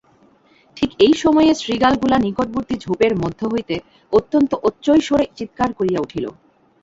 ঠিক এই সময়ে শৃগালগুলা নিকটবর্তী ঝোপের মধ্য হইতে অত্যন্ত উচ্চৈঃস্বরে চিৎকার করিয়া উঠিল।